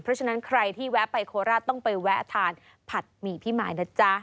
เพราะฉะนั้นใครที่แวะไปโคราชต้องไปแวะทานผัดหมี่พี่มายนะจ๊ะ